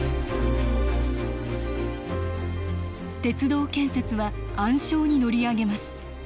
鉄道建設は暗礁に乗り上げます。